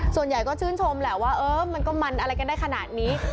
ส่วนใหญ่ก็ชื่นชมแหละว่าเออมันก็มันอะไรกันได้ขนาดนี้